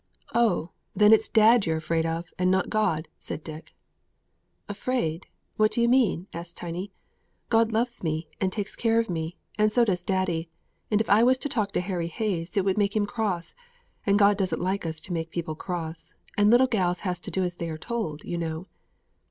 "Oh, then, it's dad you're afraid of, and not God?" said Dick. "Afraid! What do you mean?" asked Tiny. "God loves me, and takes care of me, and so does daddy; and if I was to talk to Harry Hayes, it would make him cross, and God doesn't like us to make people cross; and little gals has to do as they are told, you know."